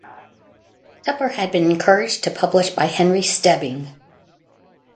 Tupper had been encouraged to publish by Henry Stebbing.